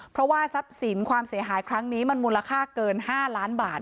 เพราะว่าทรัพย์สินความเสียหายครั้งนี้มันมูลค่าเกิน๕ล้านบาท